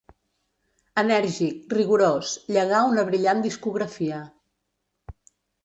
Enèrgic, rigorós, llegà una brillant discografia.